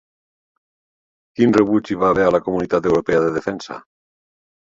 Quin rebuig hi va haver a la Comunitat Europea de Defensa?